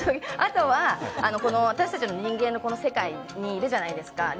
あとは、私たち、人間の世界にいるじゃないですか。